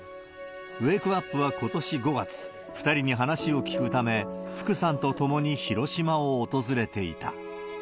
ウェークアップはことし５月、２人に話を聞くため、福さんと共に広島を訪れていた。